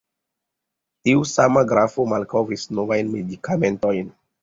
Tiu sama grafo malkovris novajn medikamentojn.